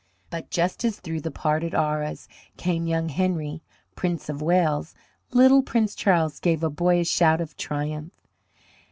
But just as through the parted arras came young Henry, Prince of Wales, little Prince Charles gave a boyish shout of triumph.